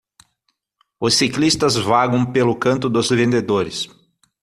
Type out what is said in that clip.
Os ciclistas vagam pelo canto dos vendedores.